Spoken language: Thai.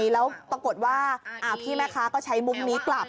ออลอกงั้ยแล้วปรากฏว่าพี่แม่ค้าก็ใช้มุกเรนี่กลับ